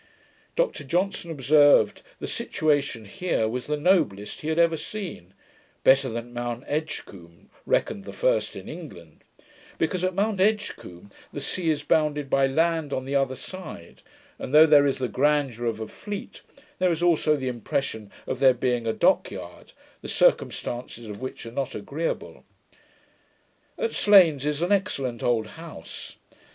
Dr Johnson observed, the situation here was the noblest he had ever seen, better than Mount Edgecumbe, reckoned the first in England; because, at Mount Edgecumbe, the sea is bounded by land on the other side, and, though there is there the grandeur of a fleet, there is also the impression of there being a dock yard, the circumstances of which are not agreeable. At Slains is an excellent old house.